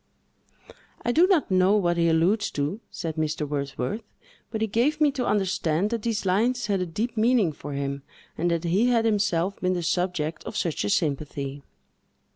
"I do not know what he alludes to," said Mr. Wordsworth; "but he gave me to understand that these lines had a deep meaning for him, and that he had himself been the subject of such a sympathy."